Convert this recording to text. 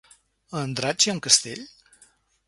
A Andratx hi ha un castell?